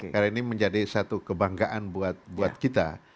karena ini menjadi satu kebanggaan buat kita